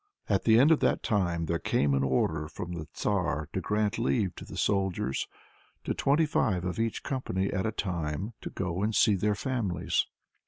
At the end of that time there came an order from the Tsar to grant leave to the soldiers to twenty five of each company at a time to go and see their families.